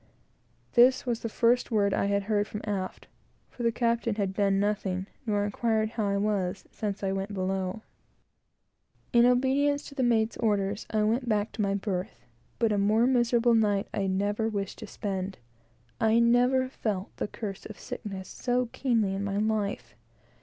This was the first word I had heard from aft; for the captain had done nothing, nor inquired how I was, since I went below. In obedience to the mate's orders, I went back to my berth; but a more miserable night I never wish to spend. I never felt the curse of sickness so keenly in my life.